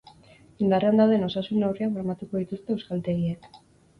Indarrean dauden osasun-neurriak bermatuko dituzte euskaltegiek.